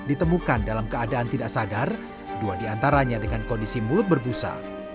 ditemukan dalam keadaan tidak sadar dua diantaranya dengan kondisi mulut berbusa